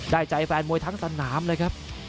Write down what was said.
ได้ใจแฟนมวยทั้งสนามเลยครับ